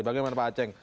bagaimana pak aceh